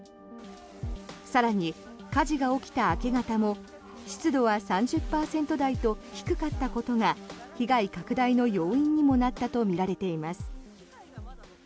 更に、火事が起きた明け方も湿度は３０％台と低かったことが被害拡大の要因にもなったとみられています。